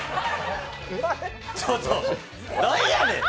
ちょっと、何やねん。